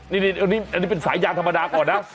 นี่อันนี้เป็นสายยางธรรมดาก่อนนะ